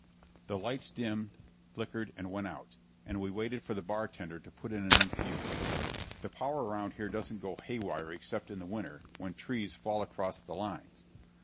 The lights dimmed, flickered and went out, and we waited for the bartender to put in a new fuse. The power around here doesn't go haywire except in the winter, when trees fall across the lines.